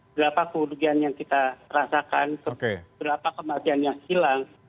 berapa kerugian yang kita rasakan berapa kematian yang hilang